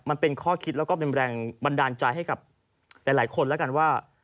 มันเป็นข้อคิดแล้วก็เป็นแรงบันดาลใจให้กับหลายคนแล้วกันว่า